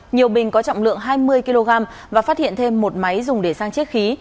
nhiều bình có trọng lượng hai mươi kg và phát hiện thêm một máy dùng để sang chiếc khí